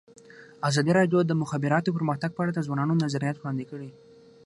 ازادي راډیو د د مخابراتو پرمختګ په اړه د ځوانانو نظریات وړاندې کړي.